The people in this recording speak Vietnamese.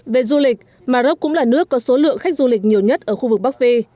về du lịch mà rốc cũng là nước có số lượng khách du lịch nhiều nhất ở khu vực bắc phi